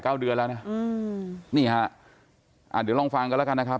เดือนแล้วนะอืมนี่ฮะอ่าเดี๋ยวลองฟังกันแล้วกันนะครับ